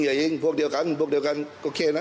โฮ้ยอย่ายิ้งพวกเดียวกันพวกเดียวกันก็โอเคนะ